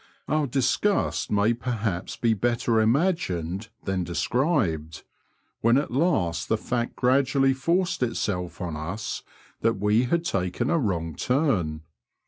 Our disgust may perhaps be better imagined than described, when at last the fact gradually forced itself on us that we had taken a wrong turn.